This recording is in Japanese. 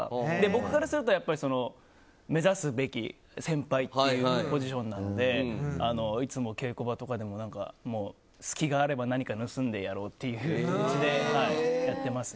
僕からすると目指すべき先輩というポジションなのでいつも稽古場とかでも隙があれば何か盗んでやろうという気持ちでやってます。